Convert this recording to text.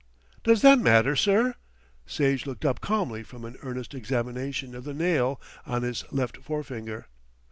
"Does that matter, sir?" Sage looked up calmly from an earnest examination of the nail of his left forefinger.